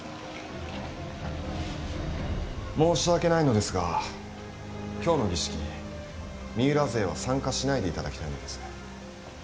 申し訳ないのですがきょうの儀式、三浦勢は参加しないでいただきたいのです。